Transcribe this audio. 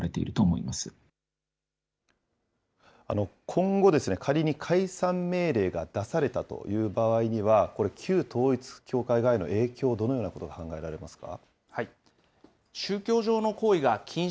今後、仮に解散命令が出されたという場合には、これ、旧統一教会側への影響、どのようなことが考えられますか？